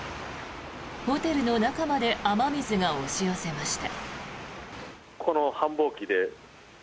ホテルの中まで雨水が押し寄せました。